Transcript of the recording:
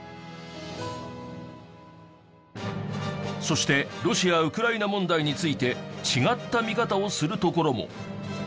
そしてロシア・ウクライナ問題について違った見方をする所も。